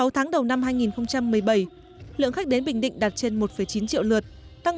sáu tháng đầu năm hai nghìn một mươi bảy lượng khách đến bình định đạt trên một chín triệu lượt tăng một mươi chín